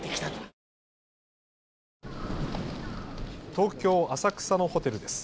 東京浅草のホテルです。